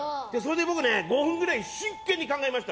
僕、５分ぐらい真剣に考えました。